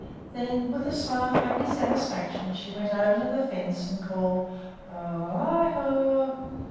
Then with a smile of happy satisfaction she went over to the fence and called, "Ho o i ho!"